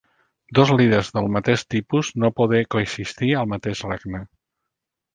Dos líders del mateix tipus no poder coexistir al mateix regne.